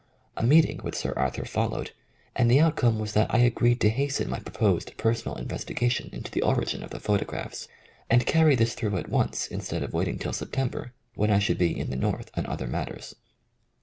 A meeting with Sir Arthur followed, and the outcome was that I agreed to hasten my proposed personal investigation into the origin of the photo graphs, and carry this through at once in 47 THE COMING OF THE FAIRIES stead of waiting till September, when I should be in the North on other matters.